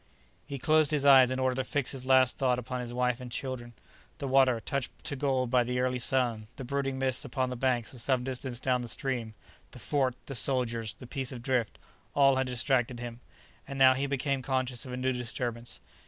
He closed his eyes in order to fix his last thoughts upon his wife and children. The water, touched to gold by the early sun, the brooding mists under the banks at some distance down the stream, the fort, the soldiers, the piece of drift—all had distracted him. And now he became conscious of a new disturbance.